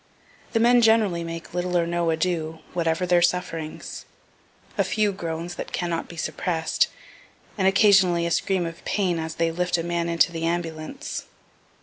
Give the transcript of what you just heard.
The men generally make little or no ado, whatever their sufferings. A few groans that cannot be suppress'd, and occasionally a scream of pain as they lift a man into the ambulance.